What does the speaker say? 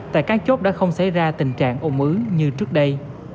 tại các chốt đã không xảy ra tình trạng ô ứ như trước đây